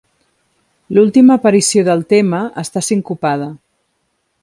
L'última aparició del tema està sincopada.